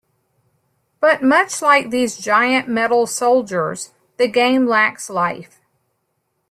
But much like these giant metal 'soldiers,' the game lacks life.